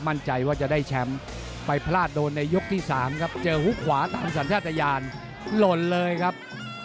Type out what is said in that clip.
มั่นใจว่าจะได้แชมป์ไปพลาดโดนในยกที่๓ครับเจอฮุกขวาตามสัญชาติยานหล่นเลยครับ